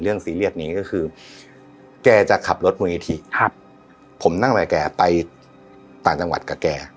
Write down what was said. ซีเรียสนี้ก็คือแกจะขับรถมูลนิธิครับผมนั่งกับแกไปต่างจังหวัดกับแก